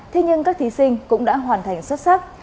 thế nhưng các thí sinh cũng đã hoàn thành xuất sắc